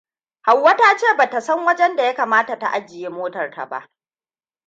Hauwa ta ce bata san wajenda ya kamata ta ajiye motar ta ba.